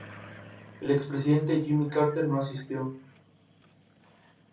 El expresidente Jimmy Carter no asistió.